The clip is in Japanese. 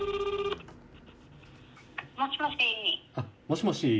もしもし。